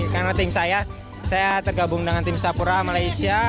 karena tim saya saya tergabung dengan tim sapura malaysia